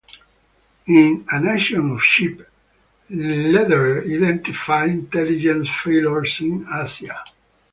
In "A Nation of Sheep", Lederer identified intelligence failures in Asia.